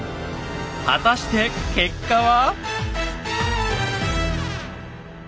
果たして結果は。